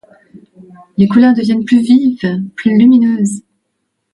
Les couleurs deviennent plus vives, plus lumineuses.